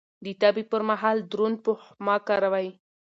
د تبه پر مهال دروند پوښ مه کاروئ.